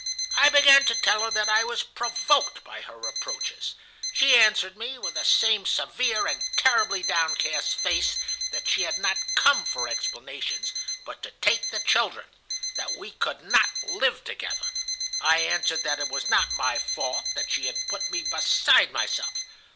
I began to tell her that I was provoked by her reproaches. She answered me, with the same severe and terribly downcast face, that she had not come for explanations, but to take the children, that we could not live together. I answered that it was not my fault, that she had put me beside myself.